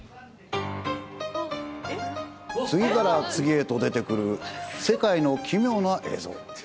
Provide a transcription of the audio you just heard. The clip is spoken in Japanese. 次から次へと出てくる世界の奇妙な映像。